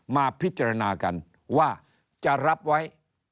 มาพิจารณากันว่าจะรับไว้